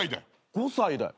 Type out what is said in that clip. ５歳だよ。